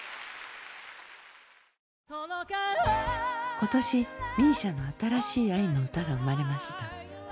今年ＭＩＳＩＡの新しい愛のうたが生まれました。